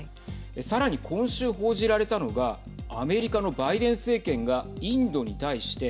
さらに、今週報じられたのがアメリカのバイデン政権がインドに対して